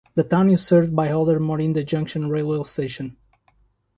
The town is served by older Morinda Junction railway station.